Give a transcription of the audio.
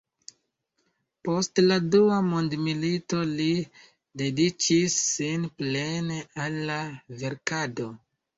Post la Dua mondmilito li dediĉis sin plene al la verkado.